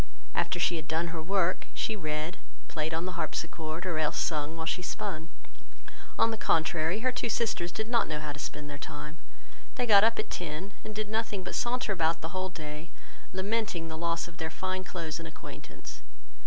After she had done her work, she read, played on the harpsichord, or else sung whilst she spun. On the contrary, her two sisters did not know how to spend their time; they got up at ten, and did nothing but saunter about the whole day, lamenting the loss of their fine clothes and acquaintance.